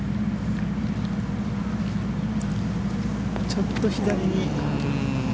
ちょっと左に。